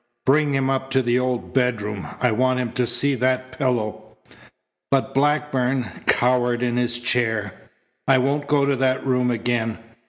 Bring him up to the old bedroom. I want him to see that pillow." But Blackburn cowered in his chair. "I won't go to that room again.